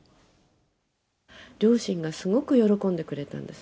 両親がすごく喜んでくれたんです。